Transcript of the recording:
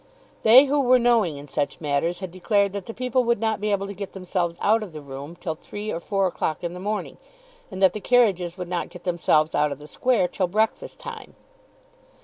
They who were knowing in such matters had declared that the people would not be able to get themselves out of the room till three or four o'clock in the morning, and that the carriages would not get themselves out of the Square till breakfast time.